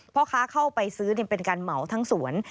พ่อค้าเข้าไปซื้อเป็นการเหมาทั้งสวน